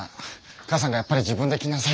母さんがやっぱり自分で来なさいって。